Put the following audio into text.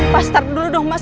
bastard dulu dong mas